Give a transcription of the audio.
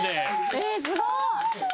えっすごい！